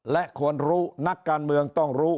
และควรรู้นักการเมืองต้องรู้